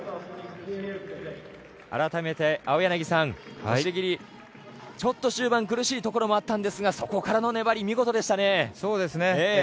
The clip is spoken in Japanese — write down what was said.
改めて青柳さん、押切、ちょっと終盤、苦しいところもあったんですがそこからの粘り、見事でしたね。